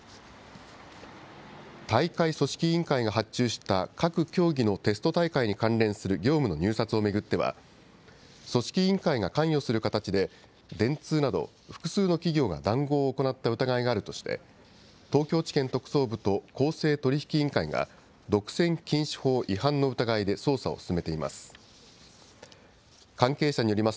大会組織委員会が発注した各競技のテスト大会に関連する業務の入札を巡っては、組織委員会が関与する形で、電通など複数の企業が談合を行った疑いがあるとして、東京地検特捜部と公正取引委員会が、独占禁止法違反の疑いで捜査を進めています。